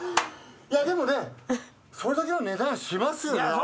いやでもねそれだけの値段しますよね？